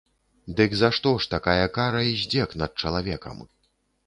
Дык за што ж такая кара і здзек над чалавекам?